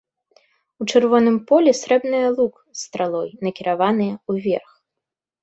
У чырвоным полі срэбныя лук з стралой, накіраваныя ўверх.